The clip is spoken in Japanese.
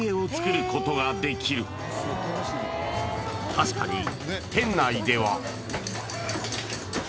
［確かに店内では］